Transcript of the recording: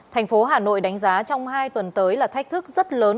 thành phố hà nội đánh giá trong hai tuần tới là thách thức rất lớn